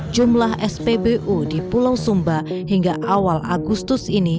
jumlah spbu di pulau sumba hingga awal agustus ini